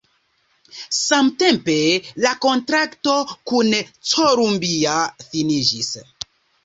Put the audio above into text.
Samtempe la kontrakto kun Columbia finiĝis.